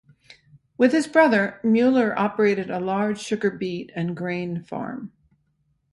With his brother, Moeller operated a large sugar beet and grain farm.